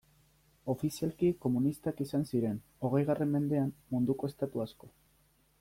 Ofizialki komunistak izan ziren, hogeigarren mendean, munduko estatu asko.